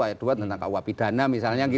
ayat dua tentang kua pidana misalnya